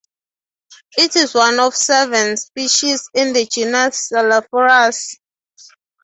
It is one of seven species in the genus "Selasphorus".